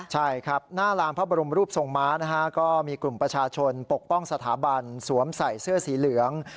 ใช่ครับหน้าลานพระบรมรูปทรงม้านะฮะก็มีกลุ่มประชาชนปกป้องสถาบันสวมใส่เสื้อสีเหลือง